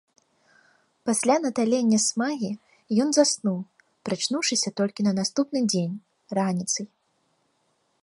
Пасля наталення смагі, ён заснуў, прачнуўшыся толькі на наступны дзень, раніцай.